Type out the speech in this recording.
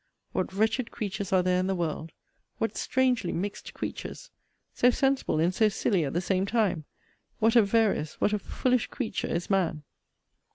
What wretched creatures are there in the world! What strangely mixed creatures! So sensible and so silly at the same time! What a various, what a foolish creature is man!